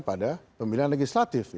pada pemilihan legislatif